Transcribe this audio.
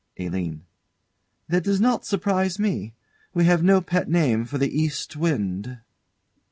ALINE. That does not surprise me: we have no pet name for the East wind.